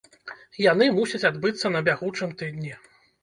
Яны мусяць адбыцца на бягучым тыдні.